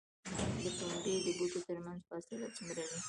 د پنبې د بوټو ترمنځ فاصله څومره وي؟